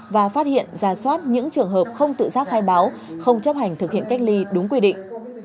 và phát hiện ra soát những trường hợp không tự giác khai báo không chấp hành thực hiện cách ly đúng quy định